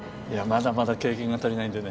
まだまだ経験が足りないんでね